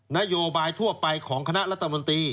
นโยบายทั่วไปของคณะรัฐมนตรี